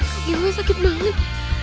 kegi gue sakit banget